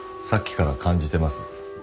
さっきから感じてます